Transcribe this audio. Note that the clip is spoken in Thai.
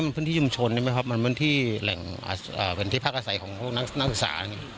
มันเป็นพื้นที่จุมชนเป็นพื้นที่ภาคอาศัยของนักอุตส่าห์